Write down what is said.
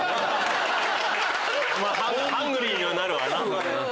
まぁハングリーにはなるわな。